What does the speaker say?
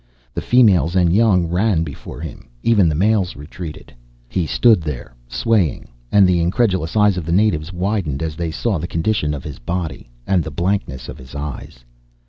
The females and young ran before him, even the males retreated. He stood there, swaying, and the incredulous eyes of the natives widened as they saw the condition of his body, and the blankness of his eyes.